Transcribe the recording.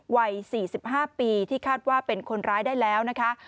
วัย๔๕ปีที่คาดว่าเป็นคนร้ายได้แล้วนะคะ